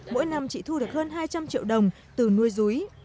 mỗi năm chị thu được hơn hai trăm linh triệu đồng từ nuôi rúi